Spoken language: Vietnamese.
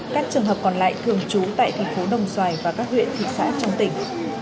các trường hợp còn lại thường trú tại thành phố đồng xoài và các huyện thị xã trong tỉnh